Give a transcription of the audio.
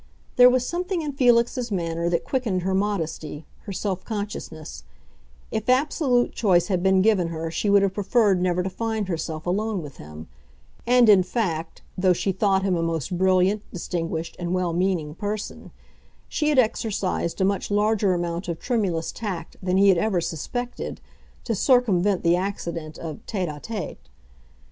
There was something in Felix's manner that quickened her modesty, her self consciousness; if absolute choice had been given her she would have preferred never to find herself alone with him; and in fact, though she thought him a most brilliant, distinguished, and well meaning person, she had exercised a much larger amount of tremulous tact than he had ever suspected, to circumvent the accident of tête à tête.